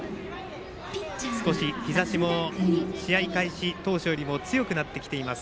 少し日ざしも試合開始当初よりも強くなってきています。